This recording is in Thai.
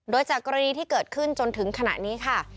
โดยจากกรณีที่เกิดขึ้นจนถึงขณะนี้ค่ะ